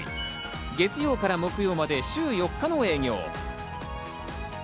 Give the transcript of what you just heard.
月曜から木曜まで週４日の営業。